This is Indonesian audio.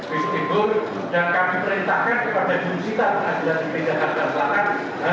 besok ibur yang kami perintahkan kepada jum'at sitar pengadilan timbik jangan terselatan